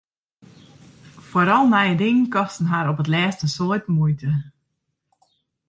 Foaral nije dingen kosten har op 't lêst in soad muoite.